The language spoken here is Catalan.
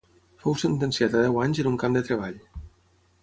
Fou sentenciat a deu anys en un camp de treball.